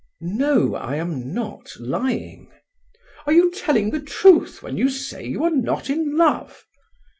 "No, I am not lying." "Are you telling the truth when you say you are not in love?"